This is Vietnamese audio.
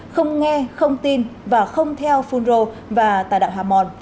không nghe không tin và không theo phunro và tà đạo hà mòn